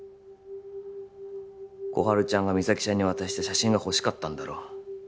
心春ちゃんが実咲ちゃんに渡した写真が欲しかったんだろ？